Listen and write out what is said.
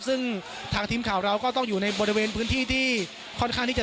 ซึ่งทางทีมข่าวเราก็ต้องอยู่ในบริเวณพื้นที่ที่ค่อนข้างที่จะ